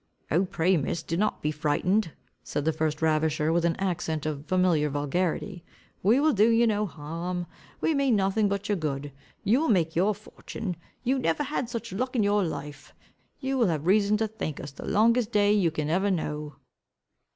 "Oh, pray, Miss, do not be frightened," said the first ravisher with an accent of familiar vulgarity, "we will do you no harm, we mean nothing but your good. You will make your fortune. You never had such luck in your life. You will have reason to thank us the longest day you can ever know."